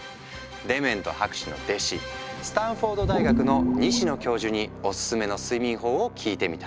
デメント博士の弟子スタンフォード大学の西野教授におすすめの睡眠法を聞いてみた。